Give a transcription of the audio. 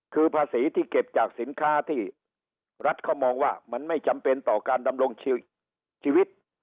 คือภาษีที่เก็บจากสินค้าที่รัฐเขามองว่ามันไม่จำเป็นต่อการดำรงชีวิต